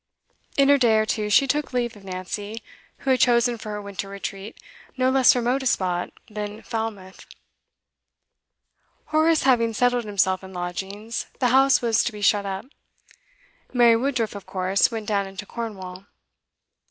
In a day or two she took leave of Nancy, who had chosen for her winter retreat no less remote a spot than Falmouth. Horace having settled himself in lodgings, the house was to be shut up; Mary Woodruff of course went down into Cornwall.